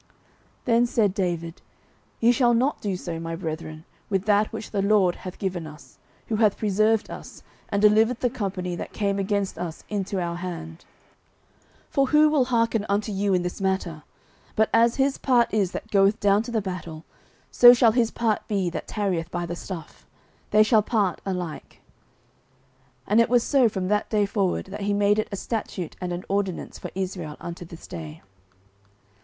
09:030:023 Then said David, Ye shall not do so, my brethren, with that which the LORD hath given us, who hath preserved us, and delivered the company that came against us into our hand. 09:030:024 For who will hearken unto you in this matter? but as his part is that goeth down to the battle, so shall his part be that tarrieth by the stuff: they shall part alike. 09:030:025 And it was so from that day forward, that he made it a statute and an ordinance for Israel unto this day.